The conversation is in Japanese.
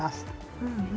うんうん。